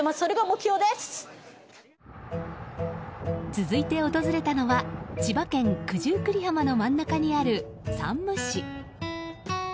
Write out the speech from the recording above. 続いて訪れたのは千葉県九十九里浜の真ん中にある山武市。